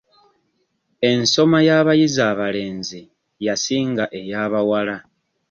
Ensoma y'abayizi abalenzi yasinga ey'abawala.